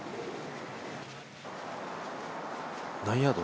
何ヤード？